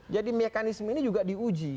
jadi mekanisme ini juga diuji